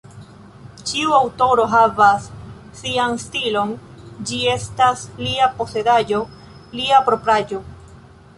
Ĉiu aŭtoro havas sian stilon, ĝi estas lia posedaĵo, lia propraĵo.